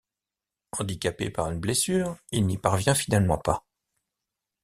Handicapé par une blessure, il n'y parvient finalement pas.